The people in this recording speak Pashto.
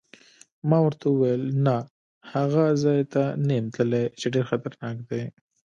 ما ورته وویل: نه، هغه ځای ته نه یم تللی چې ډېر خطرناک دی.